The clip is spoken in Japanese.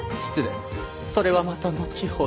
それはまたのちほど。